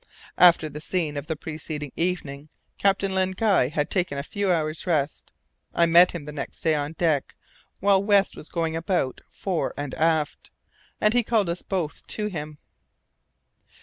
After the scene of the preceding evening Captain Len Guy had taken a few hours' rest. I met him next day on deck while West was going about fore and aft, and he called us both to him.